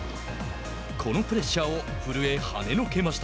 このプレッシャーを古江はねのけました。